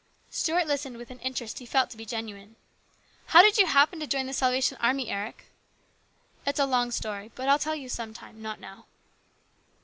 Stuart listened with an interest he felt to be genuine. " How did you happen to join the Salva tion Army, Eric ?"" It's a long story. I'll tell you some time, not now."